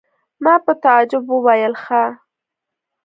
ما په تعجب وویل: ښه!